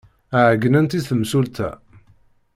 Ɛeyynent i temsulta.